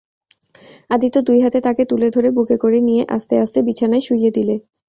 আদিত্য দুই হাতে তাকে তুলে ধরে বুকে করে নিয়ে আস্তে আস্তে বিছানায় শুইয়ে দিলে।